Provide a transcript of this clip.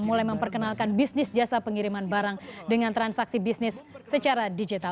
mulai memperkenalkan bisnis jasa pengiriman barang dengan transaksi bisnis secara digital